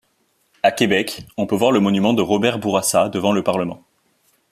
À Québec, on peut voir le monument de Robert Bourassa devant le Parlement.